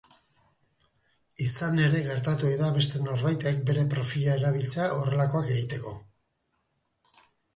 Izan ere, gertatu ohi da beste norbaitek bere profila erabiltzea horrelakoak egiteko.